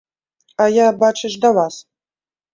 А я, бачыш, да вас.